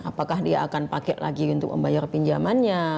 apakah dia akan pakai lagi untuk membayar pinjamannya